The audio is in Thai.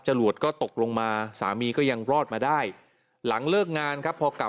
วดก็ตกลงมาสามีก็ยังรอดมาได้หลังเลิกงานครับพอกลับ